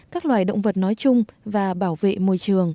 các loài động vật nói chung và bảo vệ môi trường